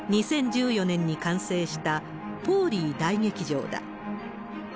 ２０１４年に完成したポーリー大劇場だ。